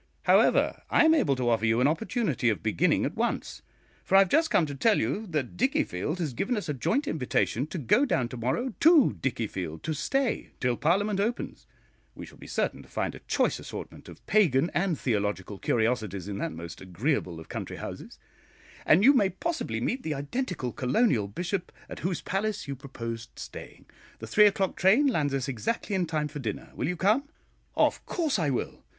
However, I am able to offer you an opportunity of beginning at once, for I have just come to tell you that Dickiefield has given us a joint invitation to go down to morrow to Dickiefield, to stay till Parliament opens; we shall be certain to find a choice assortment of pagan and theological curiosities in that most agreeable of country houses, and you may possibly meet the identical colonial bishop at whose palace you proposed staying. The three o'clock train lands us exactly in time for dinner. Will you come?" "Of course I will.